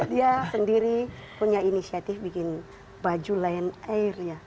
dia sendiri punya inisiatif bikin baju lain air ya